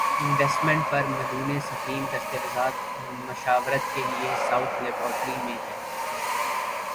investment پر مدون ضخیم دستاویزات مشاورت کے لیے ساؤتھ لیبارٹری میں ہیں